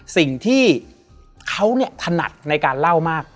สิ่งที่เขาถนัดในการเล่ามาก